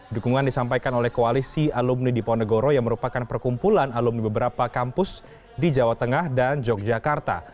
dukungan disampaikan oleh koalisi alumni di ponegoro yang merupakan perkumpulan alumni beberapa kampus di jawa tengah dan yogyakarta